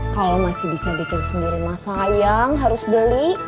kalau masih bisa bikin sendiri mah sayang harus beli